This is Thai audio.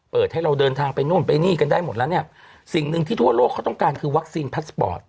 ให้เราเดินทางไปนู่นไปนี่กันได้หมดแล้วเนี่ยสิ่งหนึ่งที่ทั่วโลกเขาต้องการคือวัคซีนพัสปอร์ต